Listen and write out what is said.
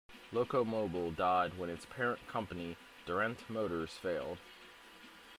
Locomobile died when its parent company, Durant Motors, failed.